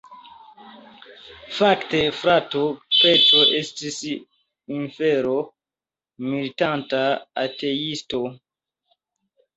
Fakte frato Petro estis inferon meritanta ateisto.